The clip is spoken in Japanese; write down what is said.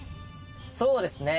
そうですね。